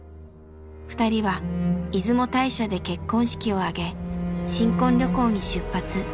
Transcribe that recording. ２人は出雲大社で結婚式を挙げ新婚旅行に出発。